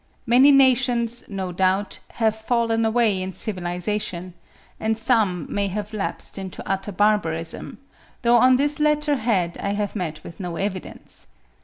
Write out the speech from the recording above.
Many nations, no doubt, have fallen away in civilisation, and some may have lapsed into utter barbarism, though on this latter head I have met with no evidence.